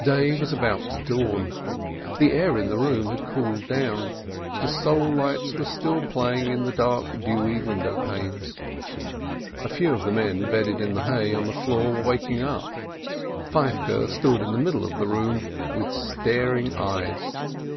Day was about to dawn. The air in the room had cooled down; the soul lights were still playing in the dark, dewy window panes. A few of the men bedded in the hay on the floor were waking up. Feivke stood in the middle of the room with staring eyes.